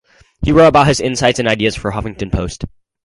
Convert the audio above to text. He wrote about his insights and ideas for Huffington Post.